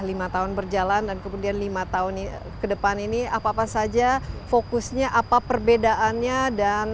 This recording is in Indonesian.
lima tahun berjalan dan kemudian lima tahun ke depan ini apa apa saja fokusnya apa perbedaannya dan